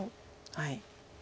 はい。